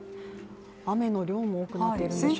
雨の量も多くなってるんですかね。